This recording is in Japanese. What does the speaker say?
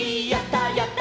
「やった！